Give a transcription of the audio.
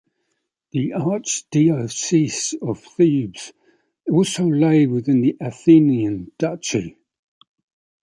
The archdiocese of Thebes also lay within the Athenian duchy.